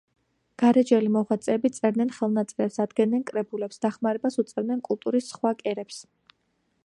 გარეჯელი მოღვაწეები წერდნენ ხელნაწერებს, ადგენდნენ კრებულებს, დახმარებას უწევდნენ კულტურის სხვა კერებს.